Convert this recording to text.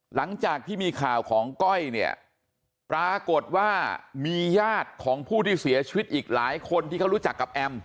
หลังจากที่มีข่าวของก้อยเนี่ยปรากฏว่ามีญาติของผู้ที่เสียชีวิตอีกหลายคนที่เขารู้จักกับแอม